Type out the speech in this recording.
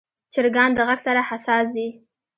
چرګان د غږ سره حساس دي.